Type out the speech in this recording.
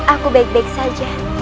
aku baik baik saja